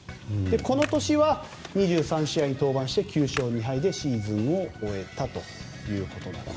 この年は２３試合に登板して９勝２敗でシーズンを終えたということなんです。